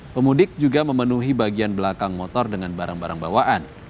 pemudik juga memenuhi bagian belakang motor dengan barang barang bawaan